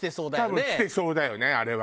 多分きてそうだよねあれは。